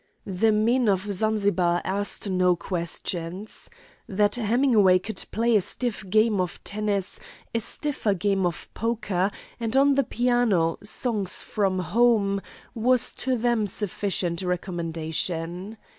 The men of Zanzibar asked no questions. That Hemingway could play a stiff game of tennis, a stiffer game of poker, and, on the piano, songs from home was to them sufficient recommendation.